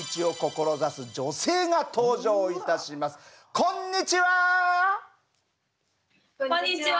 こんにちは！